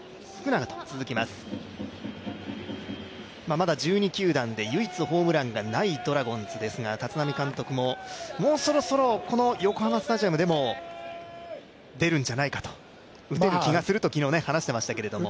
まだ１２球団で唯一ホームランがないドラゴンズですが立浪監督も、もうそろそろ横浜スタジアムでも出るんじゃないか、打てる気がすると昨日話していましたけれども。